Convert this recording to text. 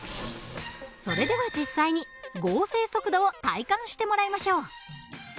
それでは実際に合成速度を体感してもらいましょう。